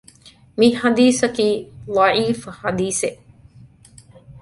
މިޙަދީޘަކީ ޟަޢީފު ޙަދީޘެއް